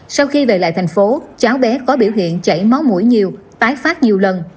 sau khi về lại thành phố cháu bé có biểu hiện chảy máu mũi nhiều tái phát nhiều lần